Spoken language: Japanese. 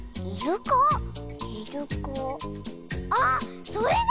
ああっそれだ！